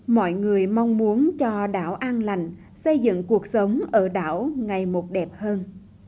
mọi người mong muốn cho đảo an lành xây dựng cuộc sống ở đảo ngày một đẹp hơn